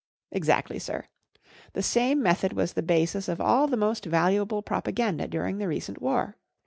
• 11 Exactly, sir* The same method was the basis of all the most valuable propaganda during the recent war.